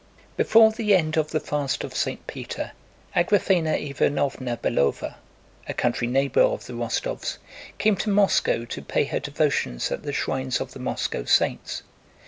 Before the end of the fast of St. Peter, Agraféna Ivánovna Belóva, a country neighbor of the Rostóvs, came to Moscow to pay her devotions at the shrines of the Moscow saints.